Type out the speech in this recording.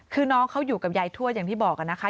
คือน้องเขาอยู่กับยายทวดอย่างที่บอกนะคะ